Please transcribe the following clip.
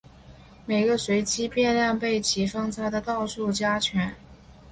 每个随机变量被其方差的倒数加权。